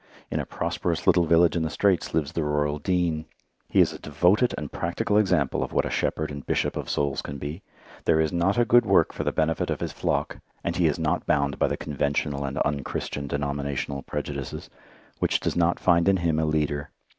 In a prosperous little village in the Straits lives the rural dean. He is a devoted and practical example of what a shepherd and bishop of souls can be. There is not a good work for the benefit of his flock and he is not bound by the conventional and unchristian denominational prejudices which does not find in him a leader.